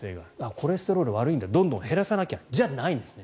コレステロール悪いんだどんどん減らさなきゃじゃないんですね。